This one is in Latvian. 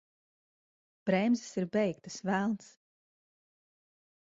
Bremzes ir beigtas! Velns!